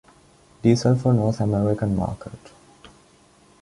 Diesel for North American Market.